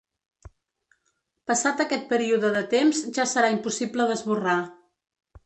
Passat aquest període de temps ja serà impossible d’esborrar.